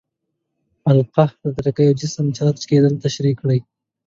د القاء په طریقه د یو جسم چارج کیدل تشریح کړئ.